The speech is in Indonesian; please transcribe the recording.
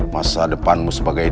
masa depanmu sebagai danu